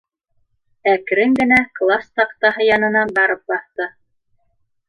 Әкрен генә класс таҡтаһы янына барып баҫты.